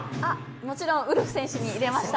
もちろんウルフ選手に入れました。